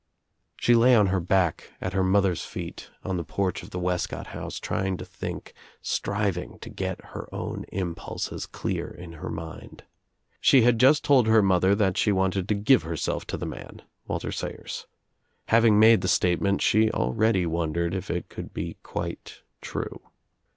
She lay on her back, at her mother's feet, on the'^ porch of the Wescott house trying to think, striving I to get her own impulses clear in her mind. She had just told her mother that she wanted to give herself ] to the man, Walter Sayers. Having made the state ■ ment she already wondered if it could be quite true.